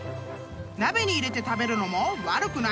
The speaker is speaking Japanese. ［鍋に入れて食べるのも悪くないらしいぞ！］